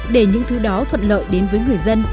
để những thứ đó thuận lợi đến với người dân